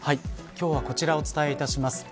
今日はこちらをお伝えいたします。